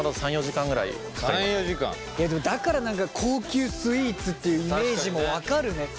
僕らのだから何か高級スイーツっていうイメージも分かるね。